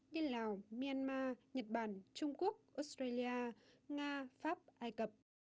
như lào myanmar nhật bản trung quốc australia nga pháp ai cập